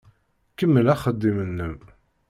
Kemmel axeddim-nnem.